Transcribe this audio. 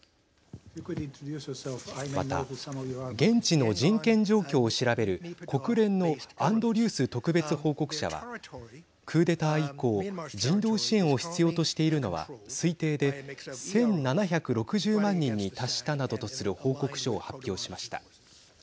また、現地の人権状況を調べる国連のアンドリュース特別報告者はクーデター以降人道支援を必要としているのは推定で１７６０万人に達したなどとする報告書を発表しました。